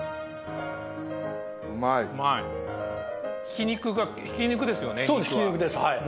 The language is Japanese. うまいひき肉がひき肉ですよね